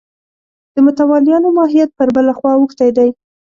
د متولیانو ماهیت پر بله خوا اوښتی دی.